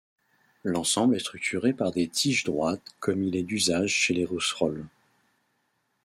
L'ensemble est structuré par des tiges droites comme il est d'usage chez les rousserolles.